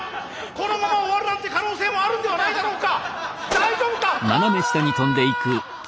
このまま終わるなんて可能性もあるんではないだろうか。